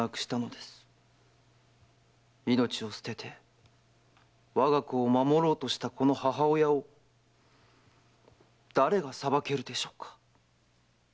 命を捨てて我が子を守ろうとしたこの母親を誰が裁けるでしょうか？